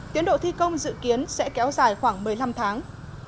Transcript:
tiến độ thi công dự kiến sẽ kéo dài khoảng một mươi năm tháng